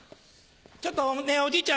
ちょっとねぇおじいちゃん